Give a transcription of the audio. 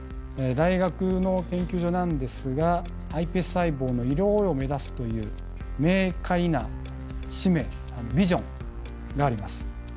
大学の研究所なんですがｉＰＳ細胞の医療応用を目指すという明快な使命ビジョンがあります。